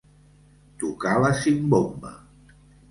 Tocar la simbomba.